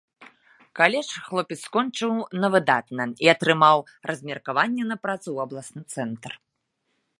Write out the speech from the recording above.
Каледж хлопец скончыў на выдатна, і атрымаў размеркаванне на працу ў абласны цэнтр.